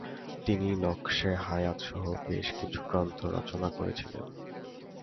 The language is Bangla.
তিনি নকশে হায়াত সহ বেশ কিছু গ্রন্থ রচনা করেছিলেন।